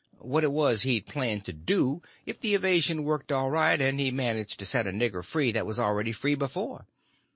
—what it was he'd planned to do if the evasion worked all right and he managed to set a nigger free that was already free before?